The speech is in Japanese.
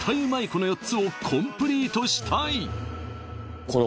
この４つをコンプリートしたい！